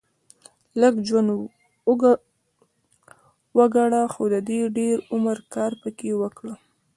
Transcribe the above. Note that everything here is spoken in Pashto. لږ ژوند وګړهٔ خو د دېر عمر کار پکښي وکړهٔ